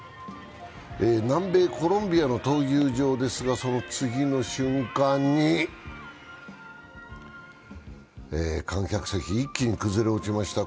南米コロンビアの闘牛場ですが、その次の瞬間に、観客席が一気に崩れ落ちました。